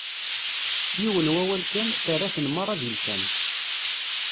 S yiwen wawal kan, terra-ten merra d ilfan.